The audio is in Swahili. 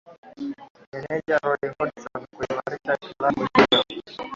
meneja roy hudson kuimarisha klabu hiyo